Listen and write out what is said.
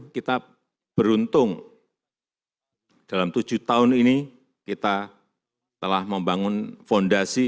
kita beruntung dalam tujuh tahun ini kita telah membangun fondasi